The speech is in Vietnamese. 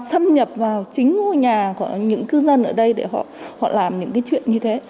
xâm nhập vào chính ngôi nhà của những cư dân ở đây để họ làm những cái chuyện như thế